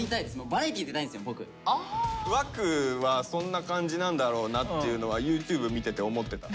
湧はそんな感じなんだろうなっていうのはＹｏｕＴｕｂｅ見てて思ってた。